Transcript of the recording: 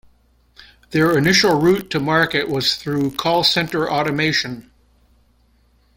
Their initial route to market was through call center automation.